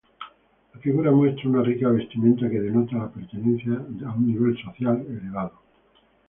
La figura muestra una rica vestimenta, que denota la pertenencia un nivel social elevado.